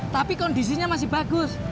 tapi kondisinya masih bagus